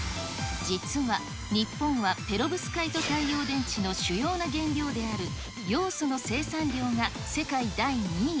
実は、日本はペロブスカイト太陽電池の主要な原料であるヨウ素の生産量が世界第２位。